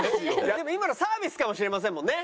でも今のサービスかもしれませんもんね？